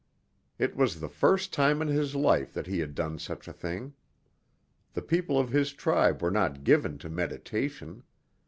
It was the first time in his life that he had done such a thing. The people of his tribe were not given to meditation.